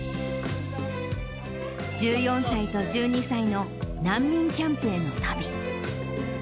１４歳と１２歳の難民キャンプへの旅。